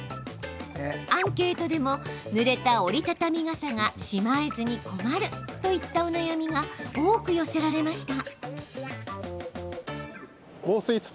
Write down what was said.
アンケートでもぬれた折り畳み傘がしまえずに困る、といったお悩みが多く寄せられました。